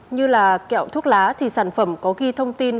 như là kẹo thuốc lá thì sản phẩm có ghi thông tin